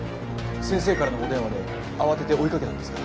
先生からのお電話で慌てて追い掛けたんですが。